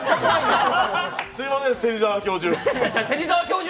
すみません、芹沢教授。